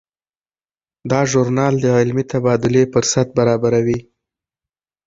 دا ژورنال د علمي تبادلې فرصت برابروي.